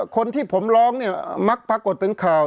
คนที่ผมร้องเนี่ยมักปรากฏเป็นข่าว